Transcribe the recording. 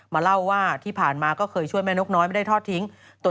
เล่าว่าที่ผ่านมาก็เคยช่วยแม่นกน้อยไม่ได้ทอดทิ้ง